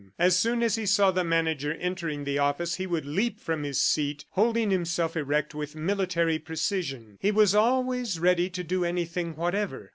As soon as he saw the manager entering the office he would leap from his seat, holding himself erect with military precision. He was always ready to do anything whatever.